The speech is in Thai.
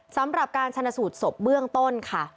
สำหรับการชนะสูตรศพเบื้องต้นค่ะ